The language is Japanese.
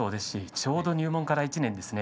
ちょうど入門から１年ですね